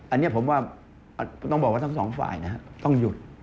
อันนี้ผมว่าต้องบอกว่าทั้งสองฝ่ายต้องหยุด